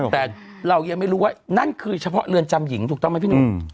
แต่เรายังไม่รู้ว่านั่นคือเฉพาะเรือนจำหญิงถูกต้องไหมพี่หนุ่ม